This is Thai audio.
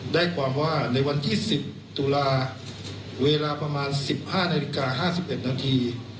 ได้ความว่าในวันที่๑๐ตุลาเวลาประมาณ๑๕นาฬิกา๕๑นาที